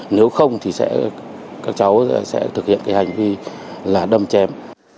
nếu không thì các cháu sẽ thực hiện hành vi đâm chém